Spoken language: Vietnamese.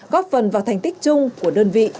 góp phần vào thành tích chung của đơn vị